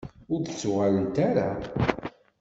Ur d-ttuɣalent ara.